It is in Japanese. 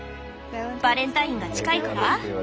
バレンタインが近いから？